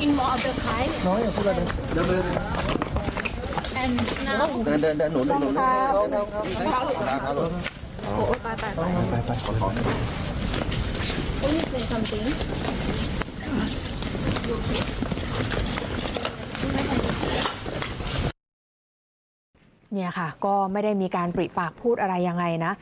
นี่ค่ะก็ไม่ได้มีการปริปากพูดอะไรยังไงนะ